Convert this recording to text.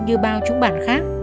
như bao chúng bạn khác